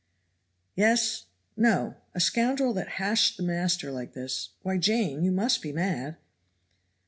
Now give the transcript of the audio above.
"Yes no. A scoundrel that hashed the master like this why, Jane, you must be mad!"